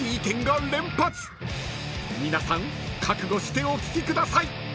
［皆さん覚悟してお聞きください］